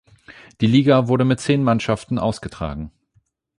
Die Liga wurde mit zehn Mannschaften ausgetragen.